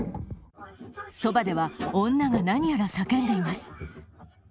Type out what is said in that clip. そばでは女が何やら叫んでいます。